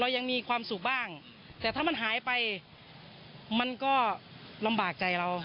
ยังมีความสุขบ้างแต่ถ้ามันหายไปมันก็ลำบากใจเรา